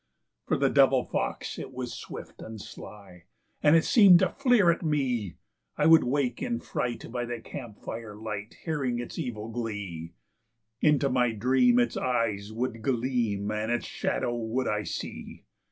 "For the devil fox, it was swift and sly, and it seemed to fleer at me; I would wake in fright by the camp fire light, hearing its evil glee; Into my dream its eyes would gleam, and its shadow would I see.